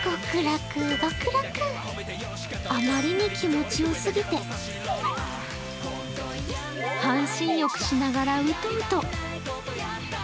あまりに気持ちよすぎて半身浴しながらウトウト。